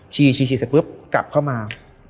เชียวเสร็จเมิดกลับเข้ามา